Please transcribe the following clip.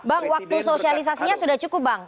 bang waktu sosialisasinya sudah cukup bang